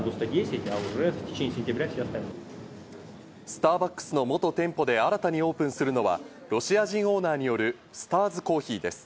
スターバックスの元店舗で新たにオープンするのはロシア人オーナーによるスターズコーヒーです。